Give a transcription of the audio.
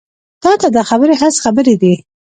تا ته دا خبرې هسې خبرې دي.